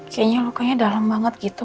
kayaknya lukanya dalam banget gitu